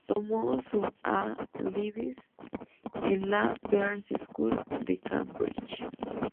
Tomó su "A-levels" en la "Perse School", en Cambridge.